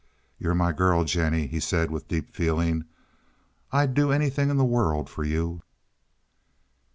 "You're my girl, Jennie," he said with deep feeling. "I'd do anything in the world for you."